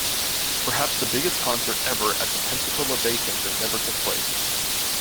Perhaps the biggest concert ever at the Pensacola Bay Center never took place.